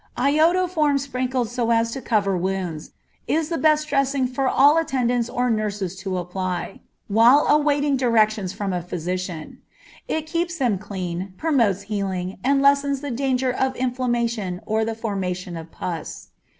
Iodoform sprinkled so as to cover wounds, is the best dressing for all attendants or nurses to apply, while awaiting directions from a physician. It keeps them clean, promotes healing, and lessens the danger of inflammation or the formation of pus.